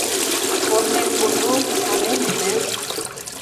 Корнем кужу, чонем ÿжеш